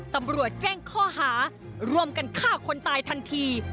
ตำรวจแจ้งข้อหาร่วมกันฆ่าคนตายทันที